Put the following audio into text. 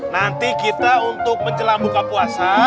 nanti kita untuk menjelang buka puasa